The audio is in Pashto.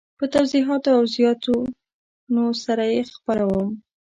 په توضیحاتو او زیاتونو سره یې خپروم.